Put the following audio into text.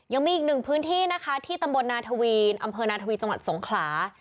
ยังมีอีกหนึ่งพื้นที่นะคะที่ตำบลนาทวีนอำเภอนาทวีจังหวัดสงขลา